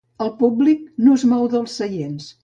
El públic no es mou dels seients.